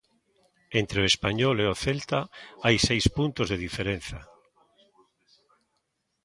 Entre o Español e o Celta hai seis puntos de diferenza.